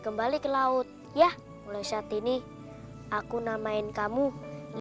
kembali ke laut ya mulai saat ini aku namain kamu